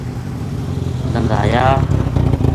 لنگھایا